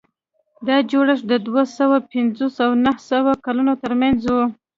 دا جوړښت د دوه سوه پنځوس او نهه سوه کلونو ترمنځ و.